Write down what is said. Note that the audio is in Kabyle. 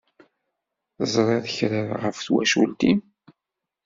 Teẓṛiḍ kra ɣef twacult-im?